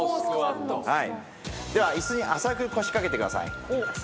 では椅子に浅く腰掛けてください。